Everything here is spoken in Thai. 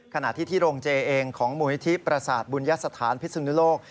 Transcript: ขณะที่ที่โรงเจเองของมุมพิธีประศาสตร์บุญยสถานพิศวินโลก